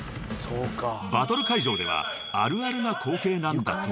［バトル会場ではあるあるな光景なんだとか］